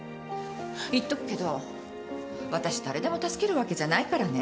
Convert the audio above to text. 言っとくけど私誰でも助けるわけじゃないからね。